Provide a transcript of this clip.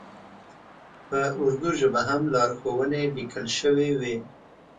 په اردو ژبه هم لارښوونې لیکل شوې وې.